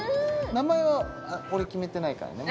名前は俺決めてないからね